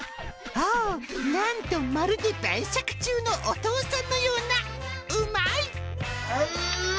あー、なんとまるで晩酌中のお父さんのようなうまい！